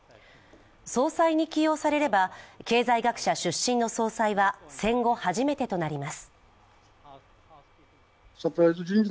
総裁に起用されれば、経済学者出身の総裁は戦後初めてとなります。